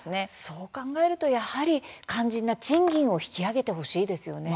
そう考えると、やはり肝心な賃金を引き上げてほしいですよね。